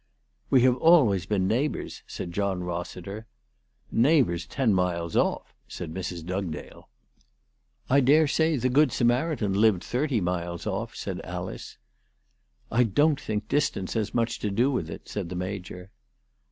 "We have always been neighbours," said John Hossiter. " Neighbours ten miles off !" said Mrs Dugdale. 334 ALICE DUGDALE. " I dare say the Good Samaritan lived thirty miles off," said Alice. " I don't think distance has much to do with it," said the Major.